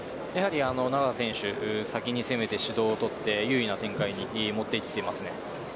永瀬選手先に攻めて指導を取って優位な展開に持っていっています。